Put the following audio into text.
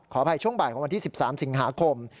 อภัยช่วงบ่ายของวันที่๑๓สิงหาคม